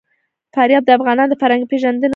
فاریاب د افغانانو د فرهنګي پیژندنې برخه ده.